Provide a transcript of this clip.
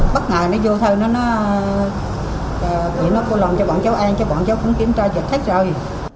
bắt ngài nó vô thờ nó chỉ nó cố lòng cho bọn cháu ăn cho bọn cháu cũng kiểm tra cho thích rồi